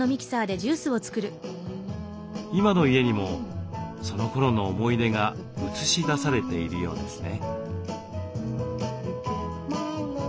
今の家にもそのころの思い出が映し出されているようですね。